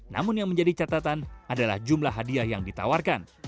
namun yang menjadi catatan adalah jumlah hadiah yang ditawarkan